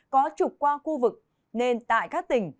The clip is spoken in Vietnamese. có trục qua khu vực nên tại các tỉnh